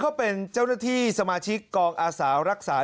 เขาเป็นเจ้าหน้าที่สมาชิกกองอาสารักษา